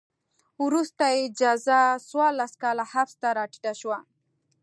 وروسته یې جزا څوارلس کاله حبس ته راټیټه شوه.